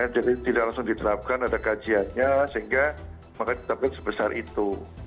jadi tidak langsung diterapkan ada kajiannya sehingga makanya diterapkan sebesar itu